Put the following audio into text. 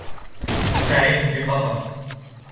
أعيش في قطر.